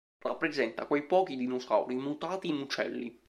Rappresenta quei pochi dinosauri mutati in uccelli.